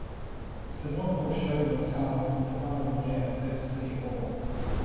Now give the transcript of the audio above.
Its inaugural show was held the following year at Perth City Hall.